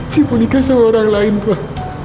cik pun nikah sama orang lain wan